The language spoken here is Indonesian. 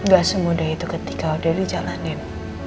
gak semudah itu ketika udah dijalanin